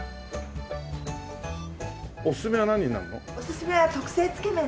おすすめは何になるの？